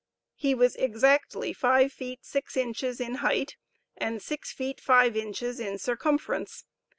He was exactly five feet six inches in height and six feet five inches in circumference.